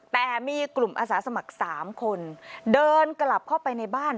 แต่มีกลุ่มอาสาสมัคร๓คนเดินกลับเข้าไปในบ้าน